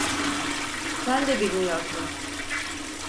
Sen de bilmiyorsun.